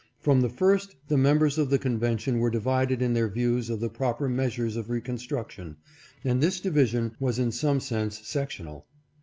From the first the members of the convention were divided in their views of the proper measures of reconstruction, and this division was in some sense sectional.